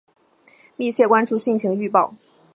密切关注汛情预报